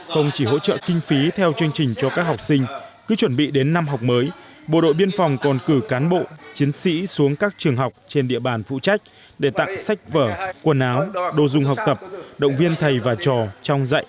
không chỉ hỗ trợ kinh phí theo chương trình cho các học sinh cứ chuẩn bị đến năm học mới bộ đội biên phòng còn cử cán bộ chiến sĩ xuống các trường học trên địa bàn phụ trách để tặng sách vở quần áo đồ dùng học tập động viên thầy và trò trong dạy